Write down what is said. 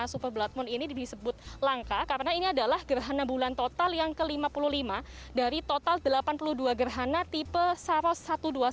super blood moon ini disebut langka karena ini adalah gerhana bulan total yang ke lima puluh lima dari total delapan puluh dua gerhana tipe saros satu ratus dua puluh satu